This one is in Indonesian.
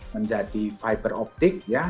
menjadi fiber optik ya